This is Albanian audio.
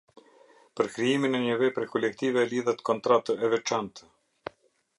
Për krijimin e një vepre kolektive lidhet kontratë e veçantë.